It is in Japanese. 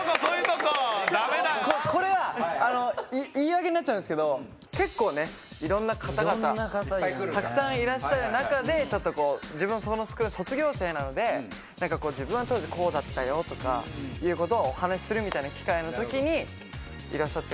ここれは言い訳になっちゃうんですけど結構ねいろんな方々たくさんいらっしゃる中で自分はそのスクールの卒業生なので何か自分は当時こうだったよとかいうことをお話しするみたいな機会の時にいらっしゃって。